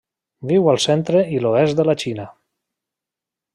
Viu al centre i l'oest de la Xina.